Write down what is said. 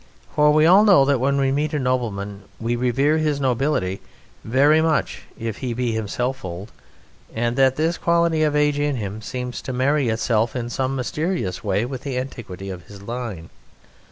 For we all know that when we meet a nobleman we revere his nobility very much if he be himself old, and that this quality of age in him seems to marry itself in some mysterious way with the antiquity of his line.